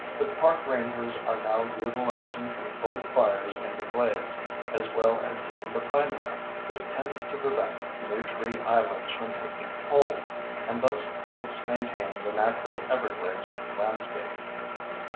But park rangers are now utilizing controlled fires in the glades as well as in the pineland. This tends to prevent new tree islands from taking hold, and thus helps maintain the natural everglades landscape.